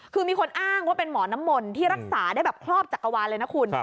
คือมีคนอ้างว่าเป็นหมอน้ำมนต์ที่รักษาได้แบบครอบจักรวาลเลยนะคุณ